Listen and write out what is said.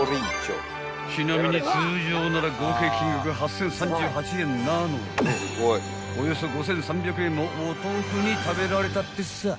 ［ちなみに通常なら合計金額８，０３８円なのでおよそ５，３００円もお得に食べられたってさぁ］